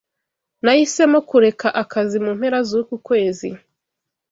Nahisemo kureka akazi mu mpera zuku kwezi.